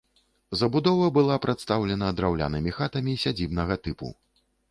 Забудова была прадстаўлена драўлянымі хатамі сядзібнага тыпу.